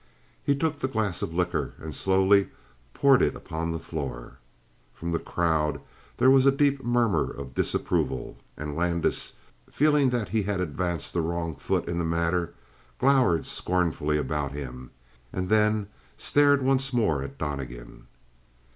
He took the glass of liqueur and slowly poured it upon the floor. From the crowd there was a deep murmur of disapproval. And Landis, feeling that he had advanced the wrong foot in the matter, glowered scornfully about him and then stared once more at Donnegan.